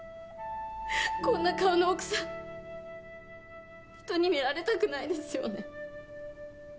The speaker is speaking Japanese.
こんな顔の奥さん人に見られたくないですよね。